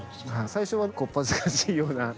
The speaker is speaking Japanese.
最初はこっぱずかしいような。